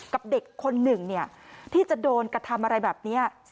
กับเด็กคนหนึ่งที่จะโดนกระทำอะไรแบบนี้